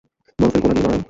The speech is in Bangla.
বরফের গোলা নিয়ে লড়াই!